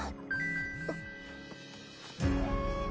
あっ。